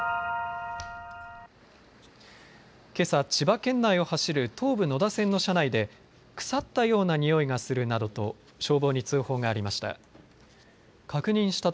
けさ、千葉県内を走る東武野田線の車内で腐ったようなにおいがするなどと消防に通報がありました。